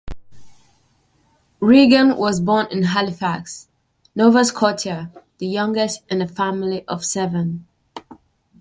Regan was born in Halifax, Nova Scotia, the youngest in a family of seven.